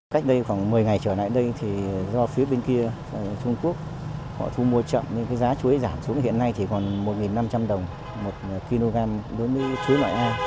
cách đây khoảng một mươi ngày trở lại đây thì do phía bên kia trung quốc họ thu mua chậm nên cái giá chuối giảm xuống hiện nay chỉ còn một năm trăm linh đồng một kg đối với chuối loại nga